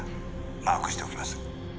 マークしておきます」